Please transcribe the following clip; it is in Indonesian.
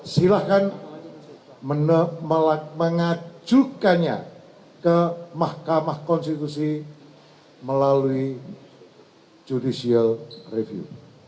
silahkan mengajukannya ke mahkamah konstitusi melalui judicial review